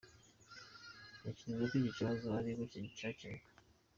Ntekereza ko iki kibazo ari gutya cyakemuka.